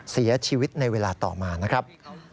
เสียชีวิตในเวลาต่อมานะครับ